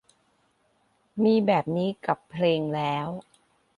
มีแบบนี้กับเพลงแล้ว